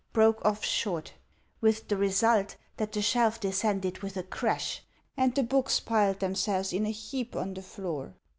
broke off short; with the result that the shelf descended with a crash, and the books piled themselves in a heap on the floor!